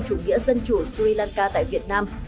chủ nghĩa dân chủ sri lanka tại việt nam